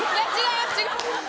違います！